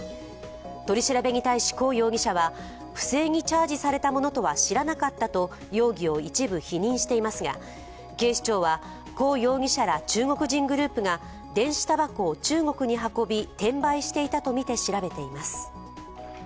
取り調べに対し寇容疑者は不正にチャージされたものとは知らなかったと容疑を一部否認していますが、警視庁は、寇容疑者ら中国人グループが電子たばこを中国に運び転売していたとみて調べています。